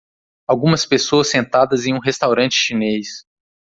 Algumas pessoas sentadas em um restaurante chinês